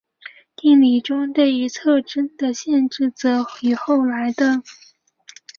定理中对于特征的限制则与后来由岩泽健吉和除去。